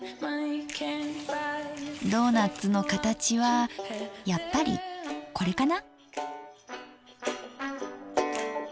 ドーナッツの形はやっぱりこれかな？